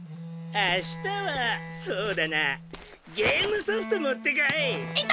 明日はそうだなあゲームソフト持ってこい！